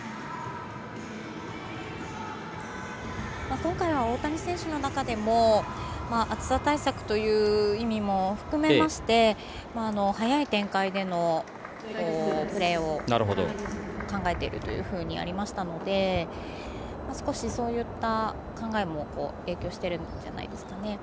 今回は大谷選手の中でも暑さ対策という意味も含めまして早い展開でのプレーを考えているというふうにありましたので少し、そういった考えも影響してるんじゃないですかね。